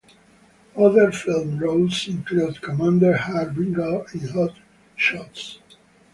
Other film roles include Commander Harbinger in Hot Shots!